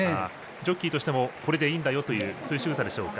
ジョッキーとしてもこれでいいんだよというそういうしぐさでしょうか。